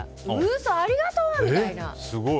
嘘、ありがとう！みたいな。